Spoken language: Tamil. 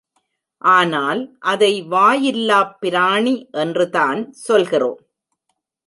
ஆனால் அதை வாயில்லாப் பிராணி என்றுதான் சொல்கிறோம்.